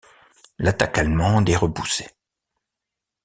L'attaque allemande est repoussée.